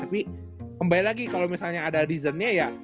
tapi kembali lagi kalo misalnya ada reason nya ya